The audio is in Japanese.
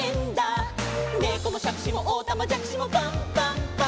「ねこもしゃくしもおたまじゃくしもパンパンパン！！」